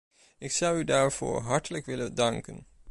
Ik zou u daarvoor hartelijk willen danken.